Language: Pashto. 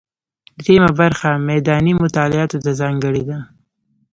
درېیمه برخه میداني مطالعاتو ته ځانګړې ده.